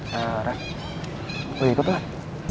nah re lo ikut lah